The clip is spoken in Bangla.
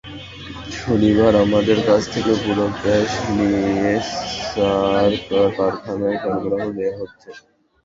শনিবার আমাদের কাছ থেকে পুরো গ্যাস নিয়ে সার কারখানায় সরবরাহ দেওয়া হচ্ছে।